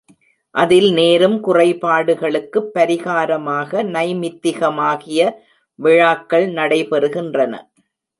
அதில் நேரும் குறைபாடுகளுக்குப் பரிகாரமாக நைமித்திகமாகிய விழாக்கள் நடைபெறுகின்றன.